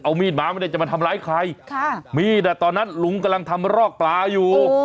เอามีดมาไม่ได้จะมาทำร้ายใครค่ะมีดอ่ะตอนนั้นลุงกำลังทำรอกปลาอยู่